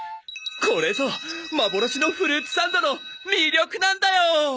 これぞまぼろしのフルーツサンドの魅力なんだよ！